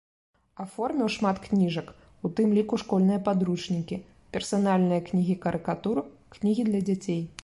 Аформіў шмат кніжак, у тым ліку школьныя падручнікі, персанальныя кнігі карыкатур, кнігі для дзяцей.